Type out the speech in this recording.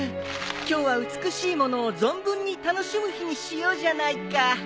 今日は美しいものを存分に楽しむ日にしようじゃないか。